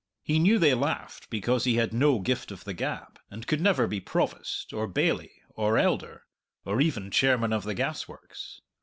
He knew they laughed because he had no gift of the gab, and could never be Provost, or Bailie, or Elder, or even Chairman of the Gasworks!